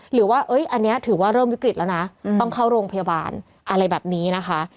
หรือว่าอันนี้ถือว่าเริ่มวิกฤตแล้วนะต้องเข้าโรงพยาบาลอะไรแบบนี้นะคะ